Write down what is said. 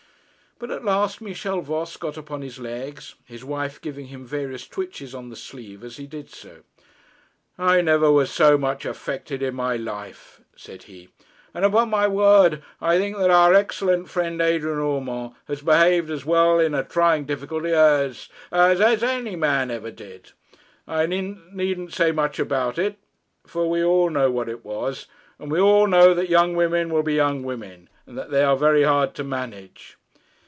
But at last Michel Voss got upon his legs, his wife giving him various twitches on the sleeve as he did so. 'I never was so much affected in my life,' said he, 'and upon my word I think that our excellent friend Adrian Urmand has behaved as well in a trying difficulty as, as, as any man ever did. I needn't say much about it, for we all know what it was. And we all know that young women will be young women, and that they are very hard to manage.'